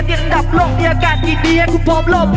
เนี่ยอันดับโลกเนี่ยอาการดีให้คุณพร้อมร่ม